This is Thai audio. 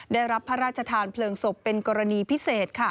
ได้รับพระราชทานเพลิงศพเป็นกรณีพิเศษ